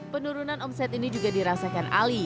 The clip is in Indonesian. penurunan omset ini juga dirasakan ali